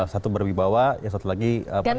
satu berbibawah satu lagi ganteng